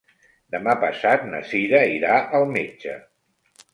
Demà passat na Cira irà al metge.